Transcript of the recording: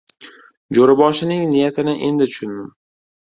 Jo‘raboshining niyatini endi tushundim.